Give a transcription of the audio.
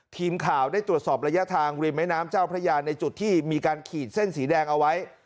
ทีมข่าวได้ตรวจสอบระยะทางริมแม่น้ำเจ้าพระยาในจุดที่มีการขีดเส้นสีแดงเอาไว้